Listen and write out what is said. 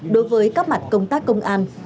đối với các mặt công tác công an